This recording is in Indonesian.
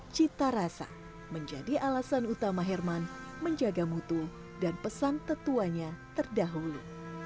cita rasa menjadi alasan utama herman menjaga mutu dan pesan tetuanya terdahulu